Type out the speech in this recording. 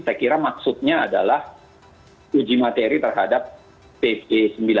saya kira maksudnya adalah uji materi terhadap pp sembilan puluh delapan